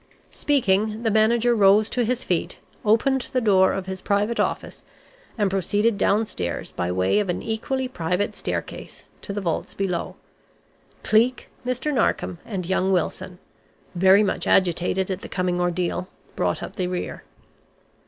Speaking, the manager rose to his feet, opened the door of his private office, and proceeded downstairs by way of an equally private staircase to the vaults below. Cleek, Mr. Narkom and young Wilson very much agitated at the coming ordeal brought up the rear.